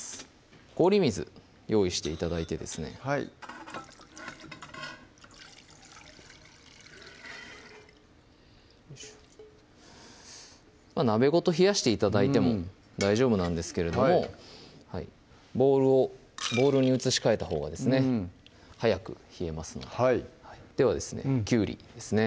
氷水用意して頂いてですねはいよいしょ鍋ごと冷やして頂いても大丈夫なんですけれどもボウルに移し替えたほうがですね早く冷えますのではいではですねきゅうりですね